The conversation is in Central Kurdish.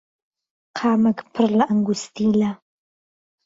قامک پڕ لە ئەنگوستیلە